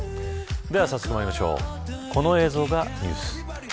では早速まいりましょうこの映像がニュース。